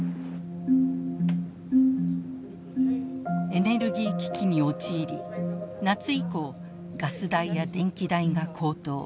エネルギー危機に陥り夏以降ガス代や電気代が高騰。